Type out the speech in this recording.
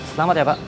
selamat ya pak